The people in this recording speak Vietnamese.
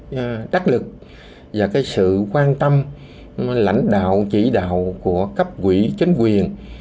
đã được đặt lực và sự quan tâm lãnh đạo chỉ đạo của cấp quỹ chính quyền